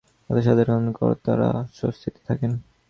এতে সাধারণ করদাতারা স্বস্তিতে থাকেন।